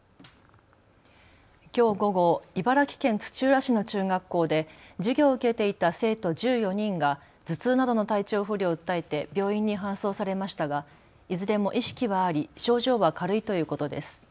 きょう午後、茨城県土浦市の中学校で授業を受けていた生徒１４人が頭痛などの体調不良を訴えて病院に搬送されましたがいずれも意識はあり症状は軽いということです。